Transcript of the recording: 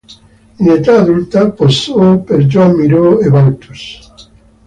In età adulta posò per Joan Miró e Balthus.